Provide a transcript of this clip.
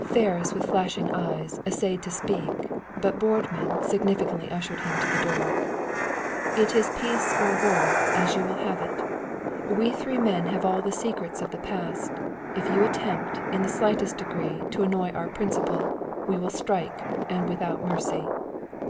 Ferris, with flashing eyes, essayed to speak, but Boardman significantly ushered him to the door. "It is peace or war, as you will have it! We three men have all the secrets of the past. If you attempt, in the slightest degree, to annoy our principal, we will strike, and without mercy."